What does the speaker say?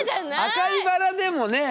赤い薔薇でもね